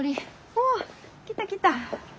おお来た来た。